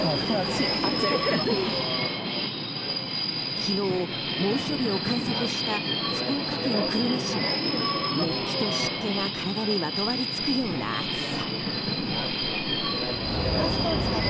昨日、猛暑日を観測した福岡県久留米市は熱気と湿気が体にまとわりつくような暑さ。